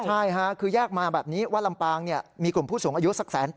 ใช่ค่ะคือแยกมาแบบนี้ว่าลำปางมีกลุ่มผู้สูงอายุสัก๑๘๐